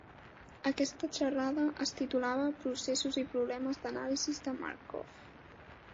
Aquesta xerrada es titulava "Processos i problemes d'anàlisi de Markov".